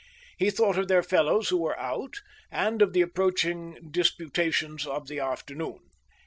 He thought of their fellows who were "out," and of the approaching disputations of the afternoon.